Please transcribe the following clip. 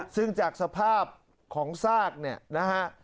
ซึ่งจากสภาพของซากเนี่ยนะฮะ